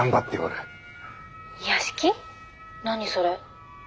何それ？